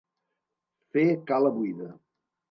Fer cala buida.